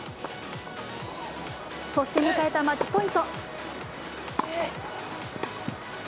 そして迎えたマッチポイント。